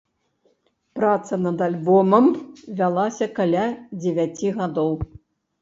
Праца над альбомам вялася каля дзевяці гадоў.